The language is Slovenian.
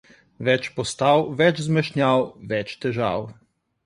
Več postav, več zmešnjav, več težav.